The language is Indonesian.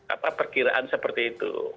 apa perkiraan seperti itu